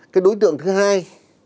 cái đối tượng thứ hai